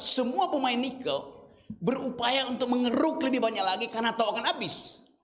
semua pemain nikel berupaya untuk mengeruk lebih banyak lagi karena tong akan habis